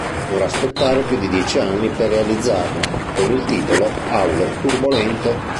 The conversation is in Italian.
Dovrà aspettare più di dieci anni per realizzarla, con il titolo "Aule turbolente".